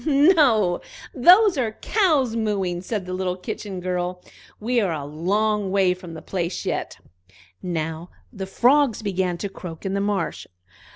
"No, those are cows mooing!" said the little Kitchen girl. "We are a long way from the place yet." Now the frogs began to croak in the marsh.